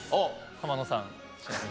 浜野さん。